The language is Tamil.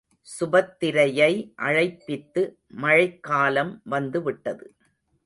சுபத்திரையை அழைப்பித்து மழைக்காலம் வந்து விட்டது.